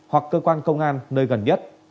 hoặc cơ quan công an nơi gần nhất